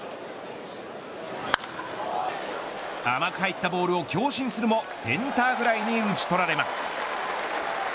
甘く入ったボールを強振するもセンターフライに打ち取られます。